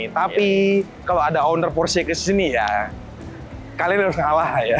tapi kalau ada owner porsi kesini ya kalian harus kalah ya